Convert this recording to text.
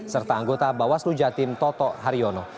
serta anggota bawaslu jatim toto haryono